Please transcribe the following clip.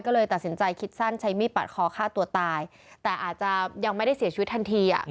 ก็เลยตัดสินใจคิดสั้นใช้มีดปาดคอฆ่าตัวตายแต่อาจจะยังไม่ได้เสียชีวิตทันที